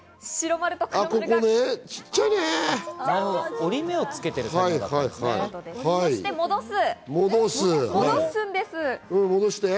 折り目をつける作業なんですね。